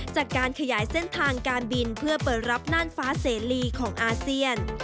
จากการขยายเส้นทางการบินเพื่อเปิดรับน่านฟ้าเสรีของอาเซียน